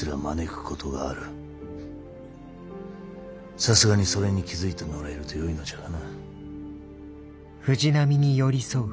さすがにそれに気付いてもらえるとよいのじゃがな。